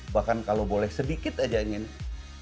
bahkan kalau boleh sedikit aja yang ini